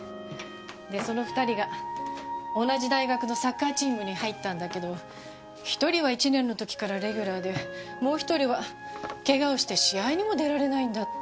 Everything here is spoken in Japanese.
でその２人が同じ大学のサッカーチームに入ったんだけど一人は１年の時からレギュラーでもう一人は怪我をして試合にも出られないんだって。